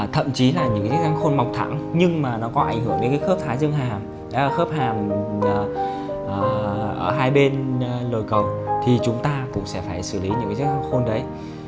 thậm chí là những chiếc răng khôn mọc thẳng nhưng mà nó có ảnh hưởng đến khớp hàm ở hai bên lồi cầu thì chúng ta cũng sẽ phải xử lý những chiếc răng khôn đấy